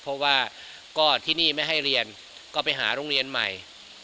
เพราะว่าก็ที่นี่ไม่ให้เรียนก็ไปหาโรงเรียนใหม่